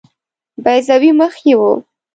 بیضوي مخ یې وو.